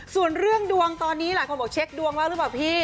ส่วนเรื่องดวงตอนนี้หลายคนบอกเช็คดวงแล้วหรือเปล่าพี่